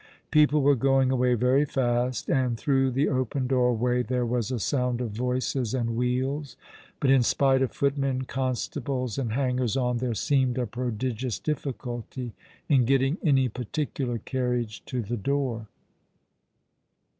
People were going away very fast, and through the open doorway there was a sound of voices and wheels; but, in spite of footmen, constables, and hangers on, there seemed a prodigious difficulty in getting any j )articular carriage to the door.